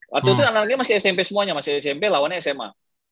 waktu itu anak anaknya masih smp semuanya masih smp lawannya sma